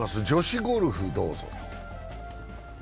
女子ゴルフ、どうぞ。